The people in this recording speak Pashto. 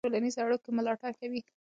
سندرې د ټولنیزو اړیکو ملاتړ کوي.